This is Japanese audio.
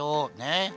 え